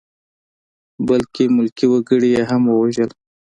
بلکې ملکي وګړي یې هم ووژل.